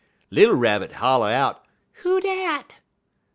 _ "Little Rab holler out, 'Who dat?'